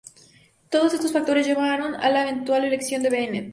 Todos esos factores llevaron a la eventual elección de Bennett.